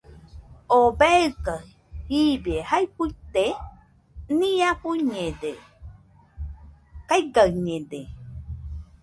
¿Oo beika jibie jae fuite?nia fuiñede, kaigañede.